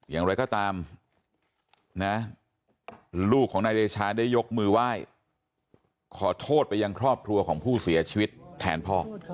อย่างไรก็ตามนะลูกของนายเดชาได้ยกมือไหว้ขอโทษไปยังครอบครัวของผู้เสียชีวิตแทนพ่อ